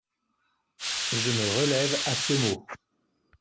Je me relève à ce mot.